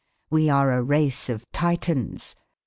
We are a race of Titans.